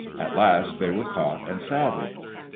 At last they were caught and saddled.